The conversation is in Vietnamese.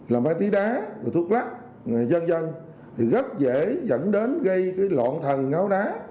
là ma túy đá thuốc lắc dân dân thì rất dễ dẫn đến gây lộn thần ngáo đá